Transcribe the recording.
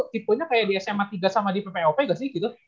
tipenya kayak di sma tiga sama di ppop gak sih gitu